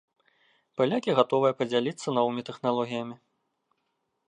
Палякі гатовыя падзяліцца новымі тэхналогіямі.